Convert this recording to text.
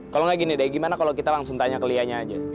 kalau nggak gini deh gimana kalau kita langsung tanya ke lianya aja